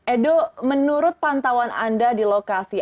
edo menurut pantauan anda di lokasi